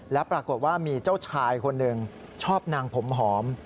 แล้วปรากฏว่ามีเจ้าชายคนหนึ่งชอบนางผมหอม